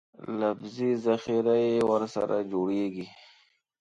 لفظي ذخیره یې ورسره جوړېږي.